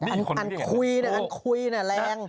อันคุยนะอันคุยน่ะแรง